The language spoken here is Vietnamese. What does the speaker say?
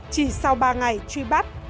chỉ sau ba ngày truy bắt